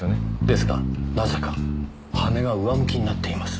ですがなぜか羽根が上向きになっています。